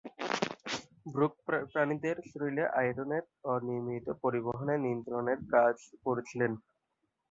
Brooke প্রাণীদের শরীরে আয়রনের অনিয়মিত পরিবহন নিয়ন্ত্রণের কাজ করছিলেন।